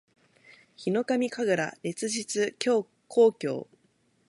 ヒノカミ神楽烈日紅鏡（ひのかみかぐられつじつこうきょう）